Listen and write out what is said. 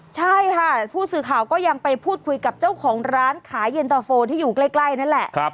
ใช่ค่ะผู้สื่อข่าวก็ยังไปพูดคุยกับเจ้าของร้านขายเย็นตะโฟที่อยู่ใกล้นั่นแหละ